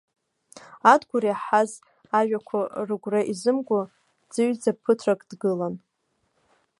Адгәыр иаҳаз ажәақәа рыгәра изымго, дӡыҩӡа ԥыҭрак дгылан.